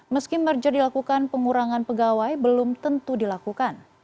meski merger dilakukan pengurangan pegawai belum tentu dilakukan